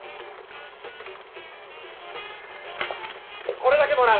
これだけもらう。